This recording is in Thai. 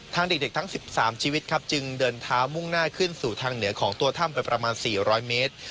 เด็กทั้ง๑๓ชีวิตครับจึงเดินเท้ามุ่งหน้าขึ้นสู่ทางเหนือของตัวถ้ำไปประมาณ๔๐๐เมตร